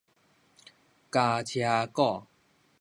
加車股